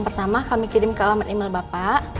pertama kami kirim ke alamat email bapak